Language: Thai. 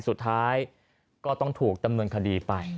สุดท้ายก็ต้องถูกดำเนินคดีไป